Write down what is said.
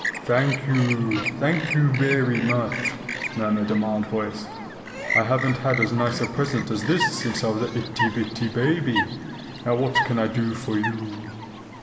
"Thank you. Thank you very much!" murmured a mild voice. "I haven't had as nice a present as this since I was an itty bitty baby. Now what can I do for YOU?"